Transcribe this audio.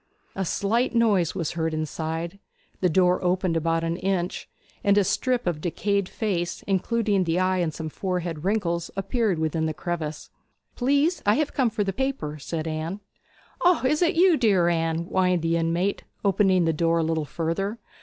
A slight noise was heard inside, the door opened about an inch, and a strip of decayed face, including the eye and some forehead wrinkles, appeared within the crevice. 'Please I have come for the paper,' said Anne. 'O, is it you, dear Anne?' whined the inmate, opening the door a little further.